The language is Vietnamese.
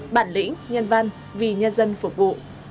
bản lĩnh nhân văn vì nhân dân phục vụ